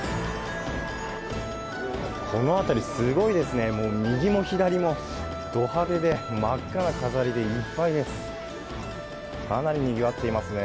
この辺り、すごいですね、もう右も左もど派手で真っ赤な飾りでいっぱいです。